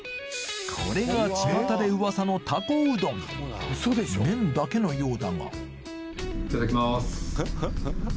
これが巷で噂のたこうどん麺だけのようだがいただきます。